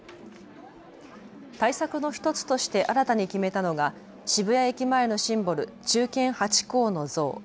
対策の１つとして新たに決めたのが渋谷駅前のシンボル、忠犬ハチ公の像。